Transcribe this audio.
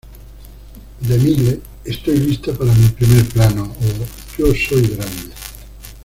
De Mille, estoy lista para mi primer plano" o "Yo "soy" grande.